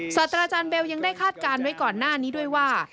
สัตว์อาจารย์เบลยังได้คาดการณ์ไว้ก่อนหน้านี้ด้วยว่า